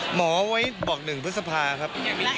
หมอไว้บอกหนึ่งพฤษภาครับ